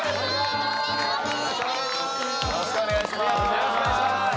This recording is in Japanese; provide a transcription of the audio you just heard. よろしくお願いします。